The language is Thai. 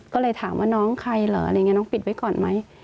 ก็เลยถามว่าน้องใครเหรอน้องปิดไว้ก่อนไหม